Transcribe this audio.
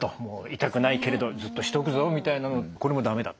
痛くないけれどずっとしておくぞみたいなこれも駄目だと。